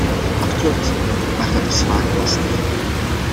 Dat klopt, maar dat is vaak lastig.